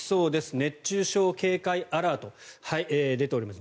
熱中症警戒アラート出ております。